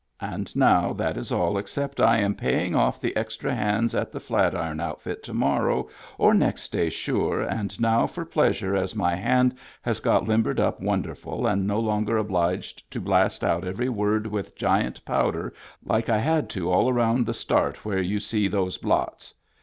And now that is all except I am paying off the extra hands at the Flat Iron outfit to morrow or next day sure and now for pleasure as my hand has got limbered up wonderful and no longer oblidged to blast out every word with giant powder like I had to all around the start where you see those blots.